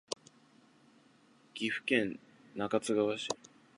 岐阜県中津川市